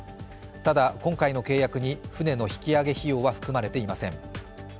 ただ、今回の契約に船の引き揚げ費用は含まれていません。